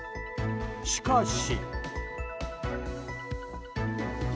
しかし。